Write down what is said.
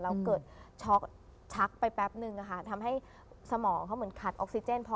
เราเกิดช็อกชักไปแป๊บนึงทำให้สมองเขาเหมือนขาดออกซิเจนพอ